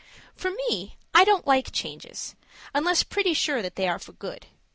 For me, I don't like changes, unless pretty sure that they are for good.